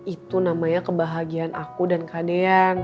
itu namanya kebahagiaan aku dan kadean